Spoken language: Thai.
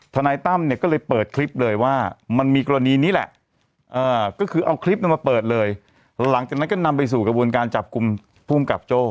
นายตั้มเนี่ยก็เลยเปิดคลิปเลยว่ามันมีกรณีนี้แหละก็คือเอาคลิปนั้นมาเปิดเลยหลังจากนั้นก็นำไปสู่กระบวนการจับกลุ่มภูมิกับโจ้